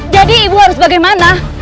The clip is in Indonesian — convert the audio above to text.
jadi ibu harus bagaimana